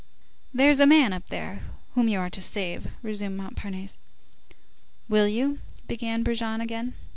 "There's a man up there whom you are to save," resumed Montparnasse. "Will you?" began Brujon again.